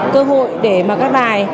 cơ hội để mà các đài